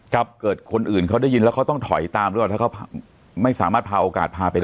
เกิดคนอื่นเขาได้ยินแล้วเขาต้องถอยตามหรือเปล่าถ้าเขาไม่สามารถพาโอกาสพาไป